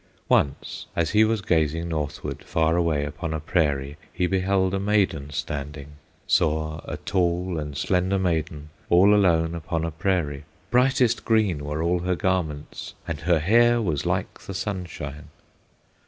Once, as he was gazing northward, Far away upon a prairie He beheld a maiden standing, Saw a tall and slender maiden All alone upon a prairie; Brightest green were all her garments, And her hair was like the sunshine.